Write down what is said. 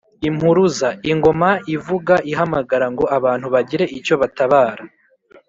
impuruza: ingoma ivuga ihamagara ngo abantu bagire icyo batabara